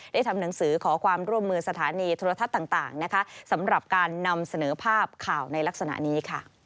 ทำหนังสือขอความร่วมมือสถานีโทรทัศน์ต่างสำหรับการนำเสนอภาพข่าวในลักษณะนี้